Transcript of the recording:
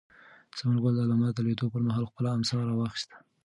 ثمر ګل د لمر د لوېدو پر مهال خپله امسا راواخیسته.